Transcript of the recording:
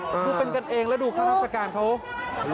คือเป็นกันเองแล้วดูข้าราชการเขา